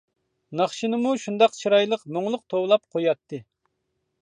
ناخشىنىمۇ شۇنداق چىرايلىق، مۇڭلۇق توۋلاپ قوياتتى.